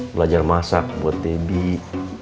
belajar masak buat debbie